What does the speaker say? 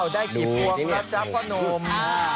ดูสิเนี่ยอ้าวได้กี่ปวงแล้วจับข้อนม